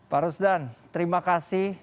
pak rusdan terima kasih